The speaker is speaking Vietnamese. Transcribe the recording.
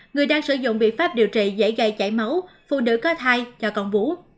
người đang sử dụng biện pháp điều trị dễ gây chảy máu phụ nữ có thai cho con vũ